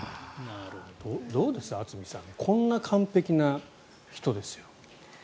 どうです、渥美さんこんな完璧な人ですよ。